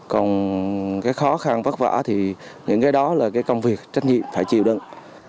còn cái khó khăn vất vả thì những cái đó là cái công việc trách nhiệm phải chịu đựng